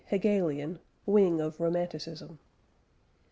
Hegelian wing of Romanticism.